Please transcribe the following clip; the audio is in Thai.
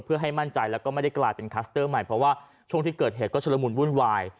เพื่อให้มั่นใจแล้วก็ไม่ได้กลายเป็นคลัสเตอร์ใหม่เพราะว่าช่วงที่เกิดเหตุก็ชุดละมุนวุ่นวาย